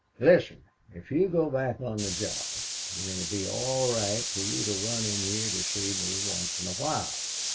"Listen. If you go back on the job then it 'll be all right for you to run in heah to see me once in a while.